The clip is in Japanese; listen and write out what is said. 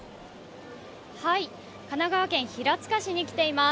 神奈川県平塚市に来ています。